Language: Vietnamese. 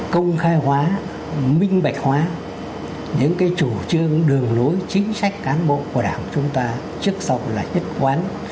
công khai hóa minh bạch hóa những cái chủ trương đường lối chính sách cán bộ của đảng chúng ta trước sau là nhất quán